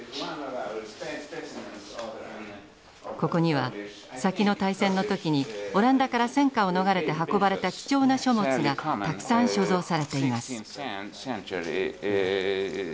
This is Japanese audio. ここには先の大戦の時にオランダから戦火を逃れて運ばれた貴重な書物がたくさん所蔵されています。